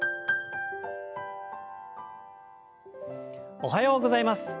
おはようございます。